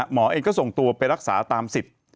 หมอเองก็ส่งตัวไปรักษาตามสิทธิ์